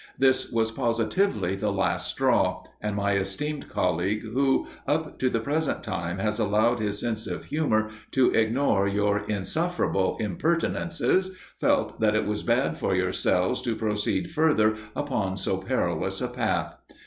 This was positively the last straw, and my esteemed colleague who, up to the present time has allowed his sense of humour to ignore your insufferable impertinences, felt that it was bad for yourselves to proceed further upon so perilous a path.